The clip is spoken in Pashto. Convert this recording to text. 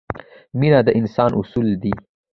مینه د انسان اصل دی.